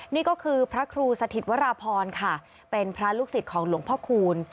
นี่ก็คือพระครูสถิตวราพรค่ะเป็นพระลูกศิษย์ของหลวงพ่อคูณ